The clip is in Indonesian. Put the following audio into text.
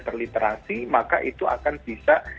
terliterasi maka itu akan bisa